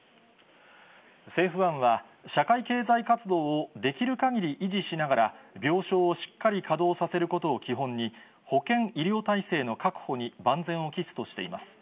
政府案は、社会経済活動をできるかぎり維持しながら、病床をしっかり稼働させることを基本に、保健医療体制の確保に万全を期すとしています。